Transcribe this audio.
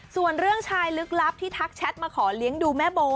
ส่วนเรื่องชายลึกลับที่ทักแชทมาขอเลี้ยงดูแม่โบ